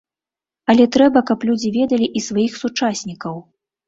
Але трэба, каб людзі ведалі і сваіх сучаснікаў.